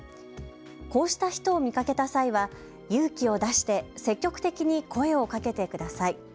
こうした人を見かけた際は勇気を出して積極的に声をかけてください。